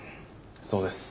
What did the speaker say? そうです。